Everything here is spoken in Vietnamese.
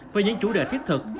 với những chủ đề thiết thực